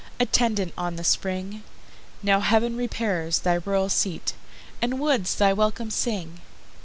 Attendant on the Spring! Now heav'n repairs thy rural seat, And woods thy welcome sing.